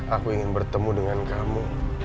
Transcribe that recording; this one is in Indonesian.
aku ingin bertemu dengan kamu